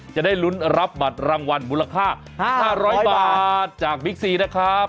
จะได้ลุ้นรับบัตรรางวัลมูลค่า๕๐๐บาทจากบิ๊กซีนะครับ